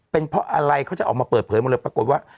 เป็นเพราะอะไรเขาจะออกมาเปิดเผยหมดเลยปรากฏว่า